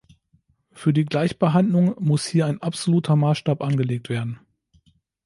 Für die Gleichbehandlung muss hier ein absoluter Maßstab angelegt werden.